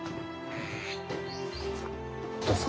どうぞ。